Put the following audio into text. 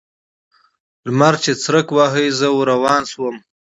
لمر چې څرک واهه؛ زه ور روان شوم.